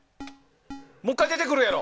もう１回出てくるやろ！